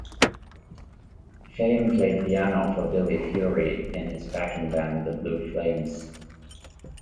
Fame played piano for Billy Fury in his backing band, the Blue Flames.